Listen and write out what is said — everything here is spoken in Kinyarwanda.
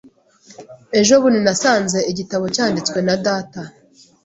Ejo bundi nasanze igitabo cyanditswe na data .